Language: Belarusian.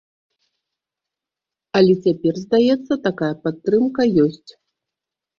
Але цяпер, здаецца, такая падтрымка ёсць.